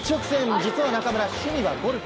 実は中村、趣味はゴルフ。